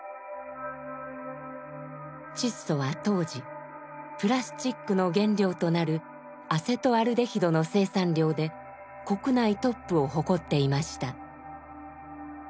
チッソは当時プラスチックの原料となるアセトアルデヒドの生産量で国内トップを誇っていました。